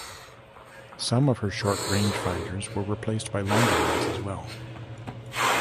Some of her short rangefinders were replaced by longer ones as well.